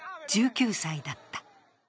１９歳だった。